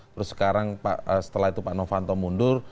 terus sekarang setelah itu pak novanto mundur